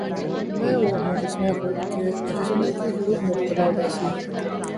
میں وہ ہوں جس میں کہ خود مبتلا اُداسی ہے